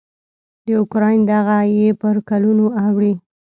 د اوکراین دغه یې پر کلونو اوړي.